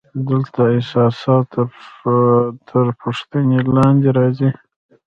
دلته اساسات تر پوښتنې لاندې راځي.